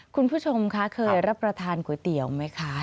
คุณผู้ชมคะเคยรับประทานก๋วยเตี๋ยวไหมคะ